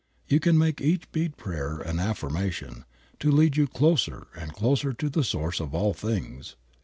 You can make each bead a prayer, an affirmation, to lead you closer and closer to the Source of all things.